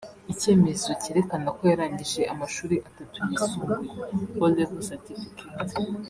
icyemezo cyerekana ko yarangije amashuri atatu yisumbuye ( O’level Certificate)